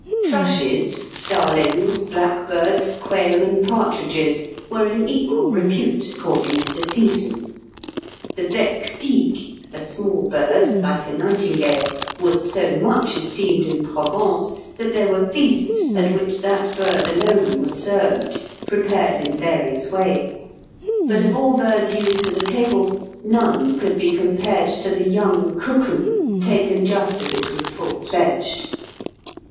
Thrushes, starlings, blackbirds, quail, and partridges were in equal repute according to the season. The bec figue, a small bird like a nightingale, was so much esteemed in Provence that there were feasts at which that bird alone was served, prepared in various ways; but of all birds used for the table none could be compared to the young cuckoo taken just as it was full fledged.